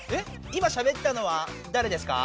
今しゃべったのはだれですか？